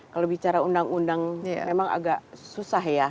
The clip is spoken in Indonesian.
kalau bicara undang undang memang agak susah ya